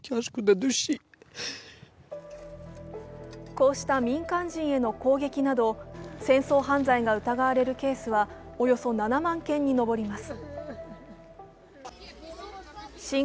こうした民間人への攻撃など、戦争犯罪が疑われるケースはおよそ７万件に上ります。